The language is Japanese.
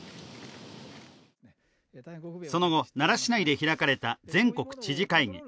その後、奈良市内で開かれた全国知事会議。